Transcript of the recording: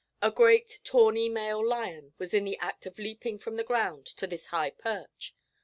A great tawny male lion was in the act of leaping from the ground to this high perch.